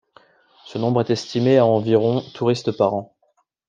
Ce nombre est estimé à environ touristes par an.